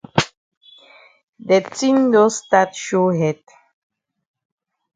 De tin don stat show head.